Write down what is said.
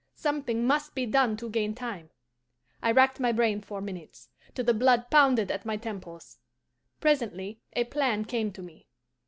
Something must be done to gain time. I racked my brain for minutes, till the blood pounded at my temples. Presently a plan came to me.